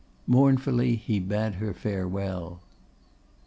Mournfully he bade her farewell.